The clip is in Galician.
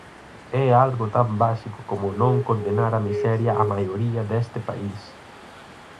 É algo tan básico como non condenar á miseria á maioría deste país.